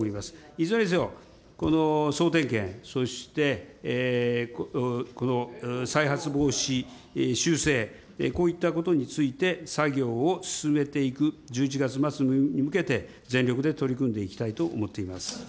いずれにせよ、総点検、そしてこの再発防止、修正、こういったことについて、作業を進めていく、１１月末に向けて、全力で取り組んでいきたいと思っています。